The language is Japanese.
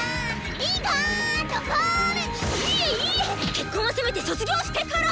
結婚はせめて卒業してから！